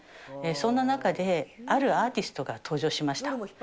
そんな中で、あるアーティストが登場しました。